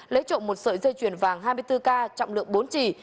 lấy trộm một sợi dây chuyền vàng hai mươi bốn k trọng lượng bốn trì